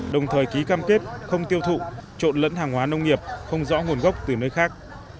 đồng thời ký cam kết không tiêu thụ trộn lẫn hàng hóa nông nghiệp không rõ nguồn gốc từ nơi khác